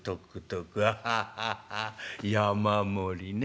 アハハハ山盛りね。